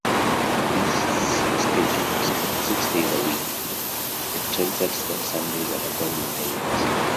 This schedule was kept six days a week; the trainset spent Sundays undergoing maintenance.